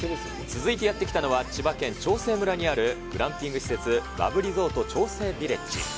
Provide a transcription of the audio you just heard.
続いてやって来たのは、千葉県長生村にあるグランピング施設、バブリゾート長生ビレッジ。